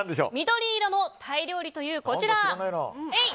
緑色のタイ料理というこちら。